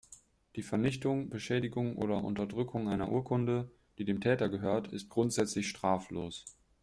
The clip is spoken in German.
Die Vernichtung, Beschädigung oder Unterdrückung einer Urkunde, die dem Täter gehört, ist grundsätzlich straflos.